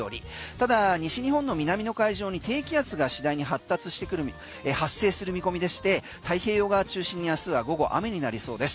ただ、西日本の南の海上に低気圧が次第に発生する見込みでして太平洋側中心に明日は午後、雨になりそうです。